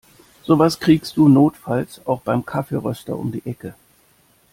Sowas kriegst du notfalls auch beim Kaffeeröster um die Ecke.